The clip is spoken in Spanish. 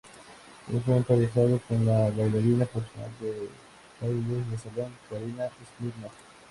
El fue emparejado con la bailarina profesional de bailes de salón, Karina Smirnoff.